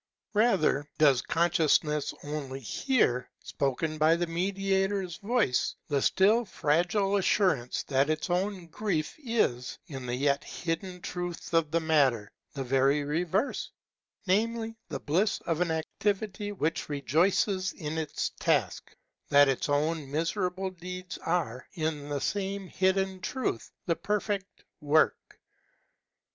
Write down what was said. Rather does consciousness only hear, spoken by the mediator's voice, the still fragile assurance that its own grief is, in the yet hidden truth of the matter, the very reverse, namely the bliss of an activity which rejoices in its tasks, that its own miserable deeds are, in the same hidden truth, the perfect work.